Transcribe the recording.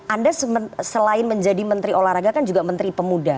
anda selain menjadi menteri olahraga kan juga menteri pemuda